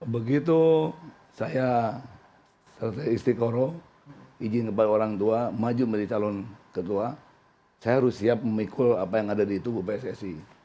begitu saya selesai istiqoroh izin kepada orang tua maju menjadi calon ketua saya harus siap memikul apa yang ada di tubuh pssi